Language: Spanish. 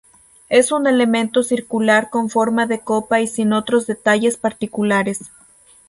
Es un elemento circular con forma de copa y sin otros detalles particulares.